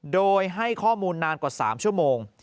โดยให้ข้อมูลนานกว่า๓ชั่วโมง